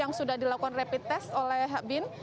yang sudah dilakukan rapid test oleh bin